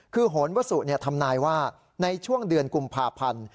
คือโหนวสุทำนายว่าในช่วงเดือนกุมภาพันธ์